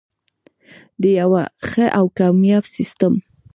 د یو ښه او کامیاب سیستم.